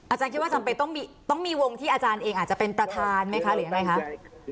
อาจารย์คิดว่าจำเป็นต้องมีวงที่อาจารย์เองอาจจะเป็นประธานไหมคะหรือยังไงคะ